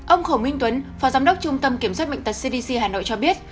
ông khổ minh tuấn phó giám đốc trung tâm kiểm soát bệnh tật cdc hà nội cho biết